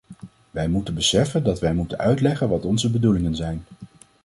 Wij moeten beseffen dat wij moeten uitleggen wat onze bedoelingen zijn.